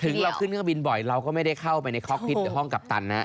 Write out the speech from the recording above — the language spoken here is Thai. เราขึ้นเครื่องบินบ่อยเราก็ไม่ได้เข้าไปในคอกพิษหรือห้องกัปตันนะ